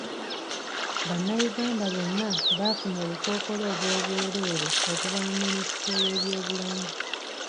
Bannayuganda bonna baafuna obukookoolo obw'obwerere okuva mu minisitule y'ebyobulamu.